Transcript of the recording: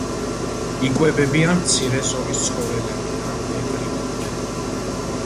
იკვებებიან მცირე ზომის ცხოველებით ან დეტრიტით.